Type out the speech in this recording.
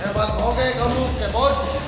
hebat oke kamu kepo